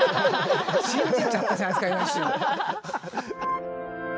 信じちゃったじゃないですか今一瞬。